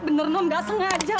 bener non gak sengaja